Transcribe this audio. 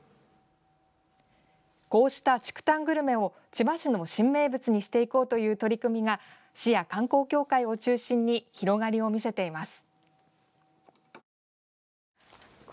こうした竹炭グルメを千葉市の新名物にしていこうという取り組みが市や観光協会を中心に広がりを見せています。